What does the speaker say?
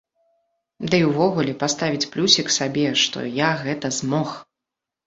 Да і ўвогуле паставіць плюсік сабе, што я гэта змог.